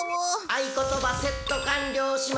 「合言葉セット完了しました」